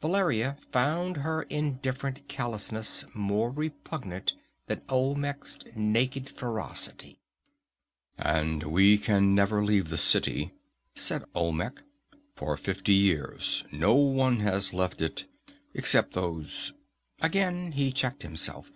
Valeria found her indifferent callousness more repugnant than Olmec's naked ferocity. "And we can never leave the city," said Olmec. "For fifty years no one has left it except those " Again he checked himself.